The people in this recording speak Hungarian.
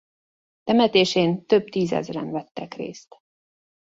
Temetésén több tízezren vettek részt.